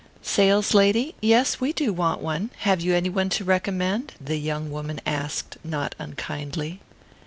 "Saleslady? Yes, we do want one. Have you any one to recommend?" the young woman asked, not unkindly.